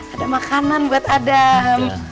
ada makanan buat adam